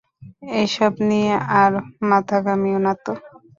এসব নিয়ে আর মাথা ঘামিয়ো নাতো!